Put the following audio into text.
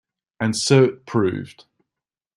And so it proved.